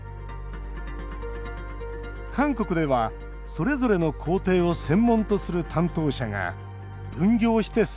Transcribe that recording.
韓国では、それぞれの工程を専門とする担当者が分業して制作。